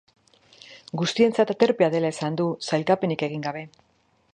Guztientzat aterpea dela esan du, sailkapenik egin gabe.